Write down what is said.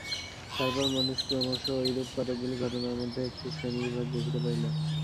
তারপর মানুষ ক্রমশ ঐরূপ কতকগুলি ঘটনার মধ্যে একটি শ্রেণীবিভাগ দেখিতে পাইল।